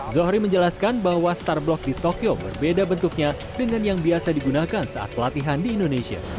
zohri menjelaskan bahwa star block di tokyo berbeda bentuknya dengan yang biasa digunakan saat pelatihan di indonesia